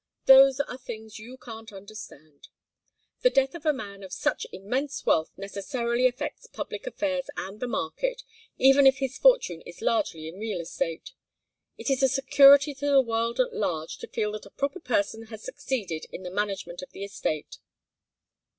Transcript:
"Those are things you can't understand. The death of a man of such immense wealth necessarily affects public affairs and the market, even if his fortune is largely in real estate. It is a security to the world at large to feel that a proper person has succeeded in the management of the estate."